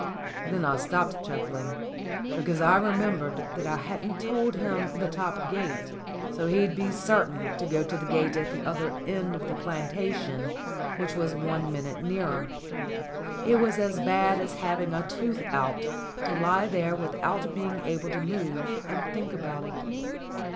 Then I stopped chuckling, because I remembered that I hadn't told him the top gate, so he'd be certain to go to the gate at the other end of the plantation, which was one minute nearer. It was as bad as having a tooth out to lie there without being able to move, and think about it.